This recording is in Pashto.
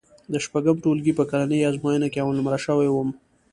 د شپږم ټولګي په کلنۍ ازموینه کې اول نومره شوی وم.